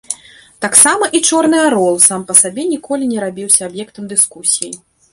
Таксама і чорны арол сам па сабе ніколі не рабіўся аб'ектам дыскусіі.